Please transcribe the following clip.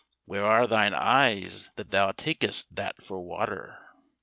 Where are thine eyes that thou takest that for water?"